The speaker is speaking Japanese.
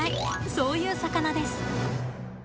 そういう魚です。